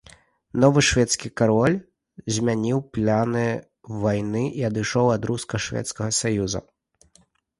Новы шведскі кароль змяніў планы вайны і адышоў ад руска-шведскага саюза.